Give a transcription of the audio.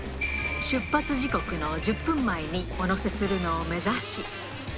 出発時刻の１０分前にお乗せするのを目指し。